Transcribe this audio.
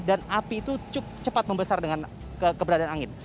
dan api itu cepat membesar dengan keberadaan angin